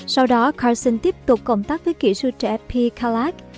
sau đó carson tiếp tục cộng tác với kỹ sư trẻ p kalak